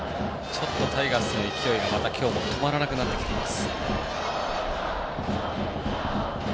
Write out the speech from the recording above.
ちょっとタイガースに勢いがまた今日も止まらなくなってきています。